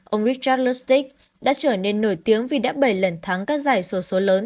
ông richard lustig đã trở nên nổi tiếng vì đã bảy lần thắng các giải số số lớn